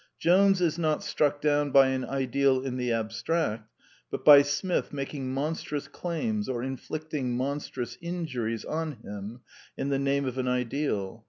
Jones is not struck down by an ideal in the ab stract, but by Smith making monstrous claims or inflicting monstrous injuries on him in the name of an ideal.